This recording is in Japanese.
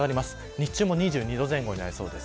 日中も２２度前後になりそうです。